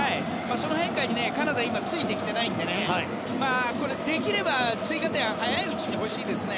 その変化にカナダは今ついてきてないのでできれば追加点が早いうちに欲しいですね。